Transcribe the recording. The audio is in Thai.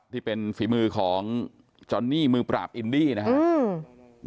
ฝีมือของจอนนี่มือปราบอินดี้นะครับ